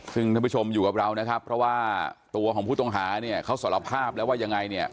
ซึ่งท่านผู้ชมอยู่กับเรานะครับเพราะว่าตัวของผู้ต้องหาเนี่ยเขาสารภาพแล้วว่ายังไงเนี่ย